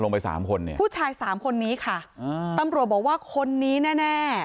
ผู้ชาย๓คนนี้ค่ะตำรวจบอกว่าคนนี้แน่